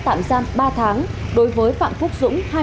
tạm gian ba tháng đối với phạm phúc dũng